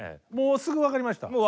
もうすぐ分かりました？